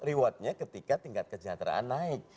rewardnya ketika tingkat kesejahteraan naik